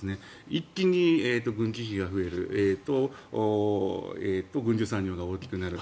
一気に軍事費が増えると軍需産業が大きくなる。